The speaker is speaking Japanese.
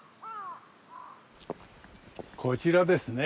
こちらですね。